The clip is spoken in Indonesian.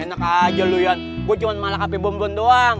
enak aja lu yan gue cuma malah hp bom bom doang